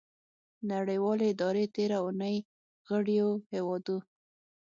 نړیوالې ادارې تیره اونۍ غړیو هیوادو